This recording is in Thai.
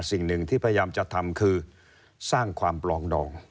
สิ่งหนึ่งที่พยายามจะทำคือสร้างความปลองดอง